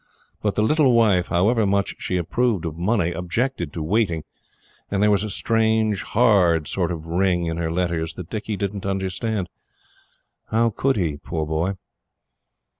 But the little wife, however much she approved of money, objected to waiting, and there was a strange, hard sort of ring in her letters that Dicky didn't understand. How could he, poor boy?